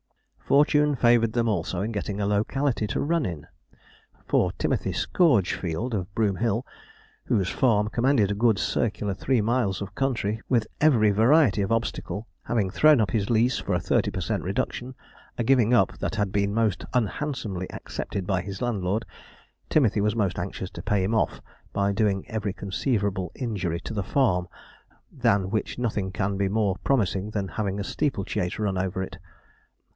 WATCHORN GETTING UP 'THE GRAND ARISTOCRATIC'] Fortune favoured them also in getting a locality to run in, for Timothy Scourgefield, of Broom Hill, whose farm commanded a good circular three miles of country, with every variety of obstacle, having thrown up his lease for a thirty per cent reduction a giving up that had been most unhandsomely accepted by his landlord Timothy was most anxious to pay him off by doing every conceivable injury to the farm, than which nothing can be more promising than having a steeple chase run over it.